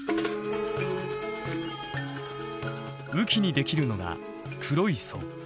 雨季にできるのが黒い層。